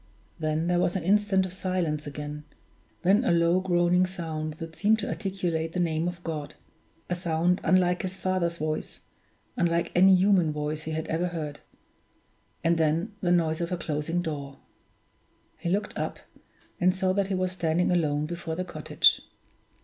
Then there was an instant of silence again then a low groaning sound that seemed to articulate the name of God; a sound unlike his father's voice, unlike any human voice he had ever heard and then the noise of a closing door. He looked up, and saw that he was standing alone before the cottage.